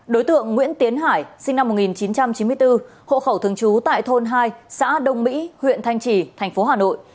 đối tượng nguyễn tiến hải sinh năm một nghìn chín trăm chín mươi bốn hộ khẩu thường trú tại thôn hai xã đông mỹ huyện thanh trì thành phố hà nội